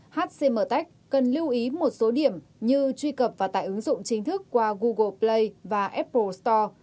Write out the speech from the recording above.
hcmec cần lưu ý một số điểm như truy cập và tải ứng dụng chính thức qua google play và apple store